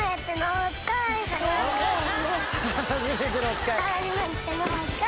はじめてのおつかい。